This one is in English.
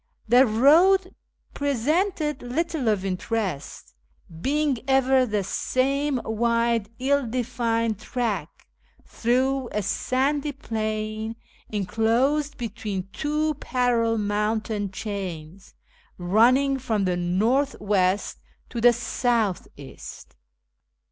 The road presented little of interest, being ever the same wide ill defined track, through a sandy plain enclosed between two parallel mountain chains, running from the north west to the south east.